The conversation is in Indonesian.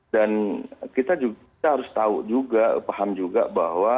dan kita juga harus tahu juga paham juga bahwa